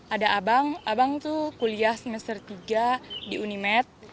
ada abang abang tuh kuliah semester tiga di unimet